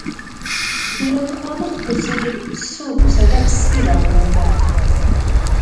له مخامخ کوڅې څو کوڅه ډب سپي راووتل.